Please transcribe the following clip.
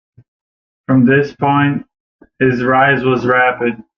From this point, his rise was rapid.